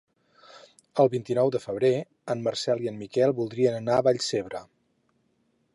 El vint-i-nou de febrer en Marcel i en Miquel voldrien anar a Vallcebre.